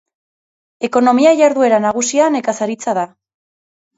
Ekonomia jarduera nagusia nekazaritza da.